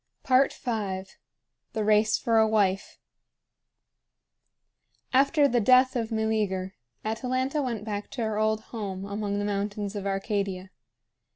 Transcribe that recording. V. THE RACE FOR A WIFE. After the death of Meleager, Atalanta went back to her old home among the mountains of Arcadia.